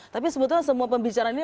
tapi sebetulnya semua pembicaraan ini